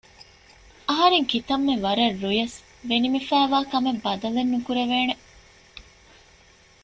އަހަރެން ކިތަންމެ ވަރަށް ރުޔަސް ވެނިމިފައިވާ ކަމެއް ބަދަލެއް ނުކުރެވޭނެ